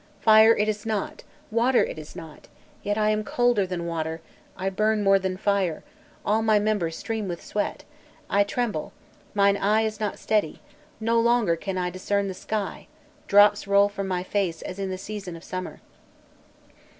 Fire it is not, water it is not, yet am I colder than water, I burn more than fire, all my members stream with sweat, I tremble, mine eye is not steady, no longer can I discern the sky, drops roll from my face as in the season of summer."